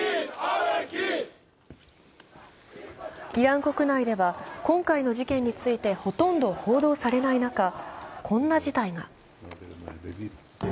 イラン国内では今回の事件についてほとんど報道されない中、こんな事態が。